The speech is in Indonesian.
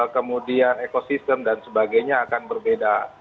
kemudian ekosistem dan sebagainya akan berbeda